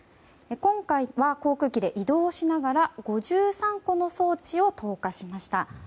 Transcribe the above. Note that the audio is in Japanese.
今回は航空機で移動しながら５３個の装置を投下しました。